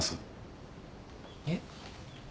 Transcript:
えっ？